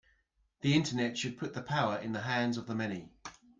The Internet should put the power in the hands of the many.